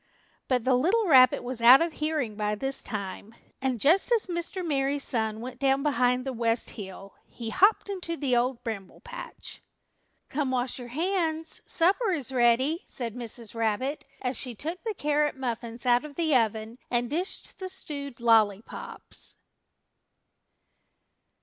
But the little rabbit was out of hearing by this time, and just as Mr. Merry Sun went down behind the West Hill, he hopped into the Old Bramble Patch. "Come, wash your hands; supper is ready," said Mrs. Rabbit, as she took the carrot muffins out of the oven and dished the stewed lollypops.